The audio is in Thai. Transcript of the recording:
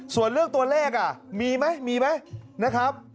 ส่วนเรื่องตัวเลขมีไหมมีไหมนะครับ